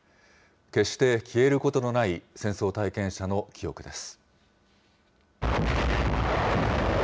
決して消えることのない戦争体験者の記憶です。